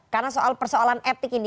karena soal persoalan etik ini